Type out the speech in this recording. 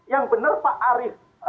yang benar pak arief